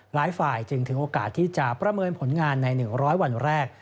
หลายฝ่ายจึงถึงโอกาสที่จะประเมินผลงานใน๑๐๐วันแรก